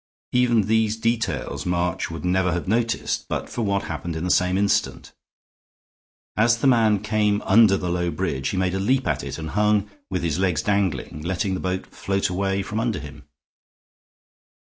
Even these details March would never have noticed but for what happened in the same instant. As the man came under the low bridge he made a leap at it and hung, with his legs dangling, letting the boat float away from under him.